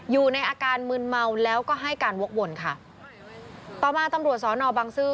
อยู่ในอาการมืนเมาแล้วก็ให้การวกวนค่ะต่อมาตำรวจสอนอบังซื้อ